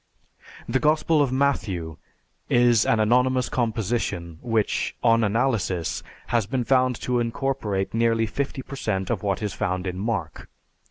The Gospel of "Matthew" is an anonymous composition which, on analysis, has been found to incorporate nearly fifty per cent of what is found in Mark.